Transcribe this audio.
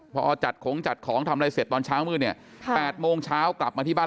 พอจัดของจัดของทำอะไรเสร็จตอนเช้ามืดเนี่ย๘โมงเช้ากลับมาที่บ้าน